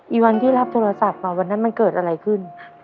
วันที่รับโทรศัพท์มาวันนั้นมันเกิดอะไรขึ้น